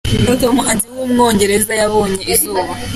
Elton John, umuhanzi w’umwongereza yabonye izuba.